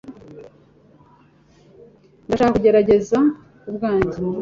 Ndashaka kugerageza ubwanjye.